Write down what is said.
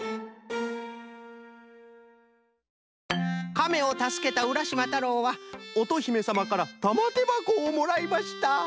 「カメをたすけたうらしまたろうはおとひめさまからたまてばこをもらいました。